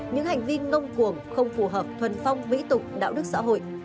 những hành vi ngông cuồng không phù hợp thuần phong mỹ tục đạo đức xã hội